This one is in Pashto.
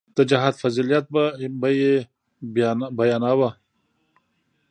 د جهاد فضيلت به يې بياناوه.